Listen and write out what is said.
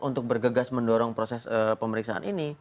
untuk bergegas mendorong proses pemeriksaan ini